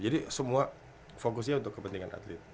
jadi semua fokusnya untuk kepentingan atlet